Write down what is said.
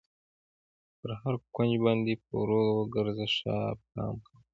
پر هر کونج باندې په ورو ګر وځه، ښه پام کوه.